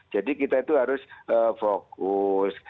jadi kita itu harus fokus